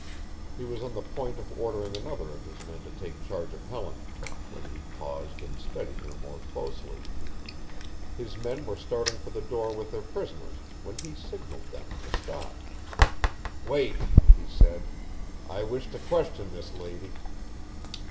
He was on the point of ordering another of his men to take charge of Helen when he paused and studied her more closely. His men were starting for the door with their prisoners when he signalled them to stop. "Wait," he said, "I wish to question this lady."